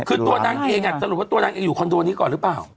คือตัวนางเองสรุปว่าตัวนางเองอยู่คอนโดนี้ก่อนหรือเปล่า